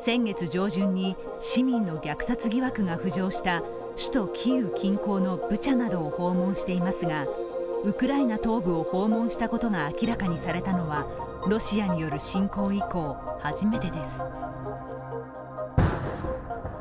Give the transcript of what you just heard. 先月上旬に市民の虐殺疑惑が浮上した首都キーウ近郊のブチャなどを訪問していますがウクライナ東部を訪問したことが明らかにされたのはロシアによる侵攻以降初めてです。